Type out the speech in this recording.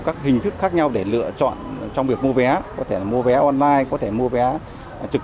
các hình thức khác nhau để lựa chọn trong việc mua vé có thể mua vé online có thể mua vé trực